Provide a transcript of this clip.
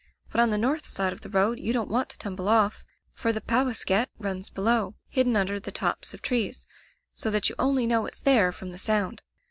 But on the north side of the road you don't want to tumble off, for the Powasket runs below, hidden under the tops of trees, so that you only know it's there from the sound.